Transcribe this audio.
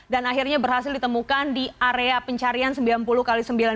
dan akhirnya berhasil ditemukan di area pencarian sembilan puluh x sembilan puluh